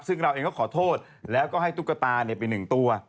ซึ่งเราเองก็ขอโทษแล้วก็ให้ตุ๊กตาไป๑ตัว